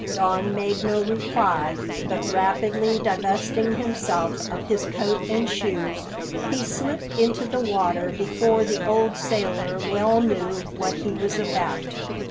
Don made no reply, but rapidly divesting himself of his coat and shoes, he slipped into the water before the old sailor well knew what he was about.